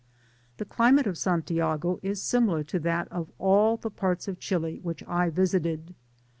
The climate of Santiago is similar to that of all the parts of Chili which I visited.